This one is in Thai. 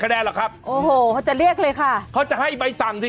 เต็ม๑๐